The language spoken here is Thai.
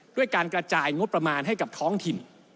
ด้วยการกระจายงบประมาณให้กับท้องถิ่น